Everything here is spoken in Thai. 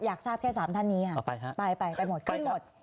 อยากทราบแค่๓ท่านนี้ไปไปหมดคิดหมด